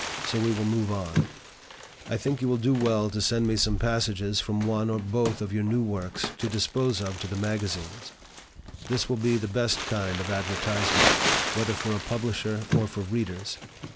So we will move on. "I think you will do well to send me some passages from one or both of your new works to dispose of to the magazines. This will be the best kind of advertisement, whether for a publisher or for readers.